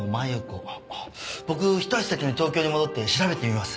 僕ひと足先に東京に戻って調べてみます。